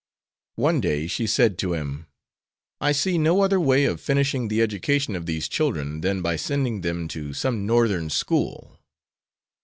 One day she said to him, "I see no other way of finishing the education of these children than by sending them to some Northern school."